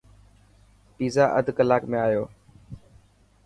پيزا اڍ ڪلاڪ ۾ آيو.